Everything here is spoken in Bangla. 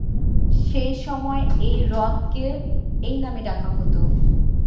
সেসময় এই হ্রদকে এই নামে ডাকা হতো।